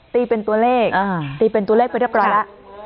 ตีเป็นตัวเลขตีเป็นตัวเลขไปเรียบร้อยแล้ว